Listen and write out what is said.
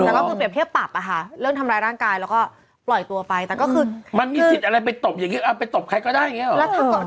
แต่ก็คือเปรียบเทียบปรับอะค่ะเรื่องทำร้ายร่างกายแล้วก็ปล่อยตัวไปแต่ก็คือมันมีสิทธิ์อะไรไปตบอย่างนี้ไปตบใครก็ได้อย่างนี้หรอ